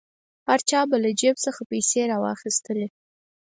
هر چا به د جیب څخه پیسې را واخیستلې.